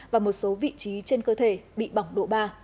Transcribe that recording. và một số vị trí trên cơ thể bị bỏng độ ba